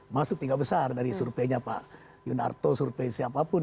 maksudnya tidak besar dari surveinya pak yunarto survei siapapun